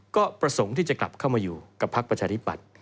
ก็ประสงค์ที่จะกลับเข้ามาอยู่กับพักประชาธิปัตย์